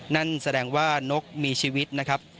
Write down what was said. นั่นแสดงว่านกมีชีวิตนะครับ